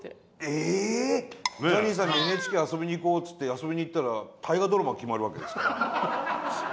え⁉ジャニーさんに「ＮＨＫ遊びに行こう」って遊びに行ったら大河ドラマ決まるわけですから。